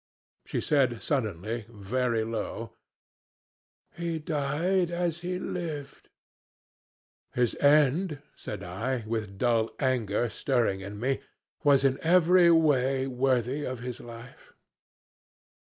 She said suddenly very low, 'He died as he lived.' "'His end,' said I, with dull anger stirring in me, 'was in every way worthy of his life.'